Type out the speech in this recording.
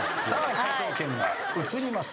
解答権が移ります。